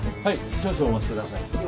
少々お待ちください。